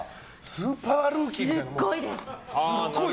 スーパールーキーです。